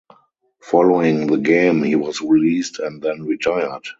Following the game he was released and then retired.